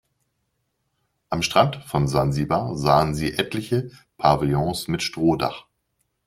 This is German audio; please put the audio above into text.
Am Strand von Sansibar sahen sie etliche Pavillons mit Strohdach.